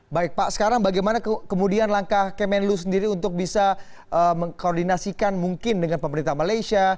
baik pak sekarang bagaimana kemudian langkah kemenlu sendiri untuk bisa mengkoordinasikan mungkin dengan pemerintah malaysia